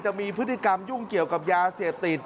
จะมีพฤติกรรมยุ่งเกี่ยวกับยาเสพติด